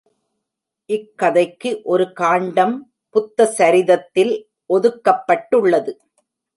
இக்கதைக்கு ஒரு காண்டம் புத்த சரிதத்தில் ஒதுக்கப்பட்டுள்ளது.